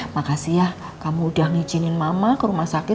makasih ya kamu udah ngizinin mama ke rumah sakit